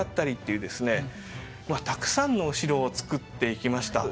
たくさんのお城を造っていきました。